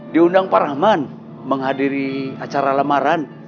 diundang pak rahman menghadiri acara lamaran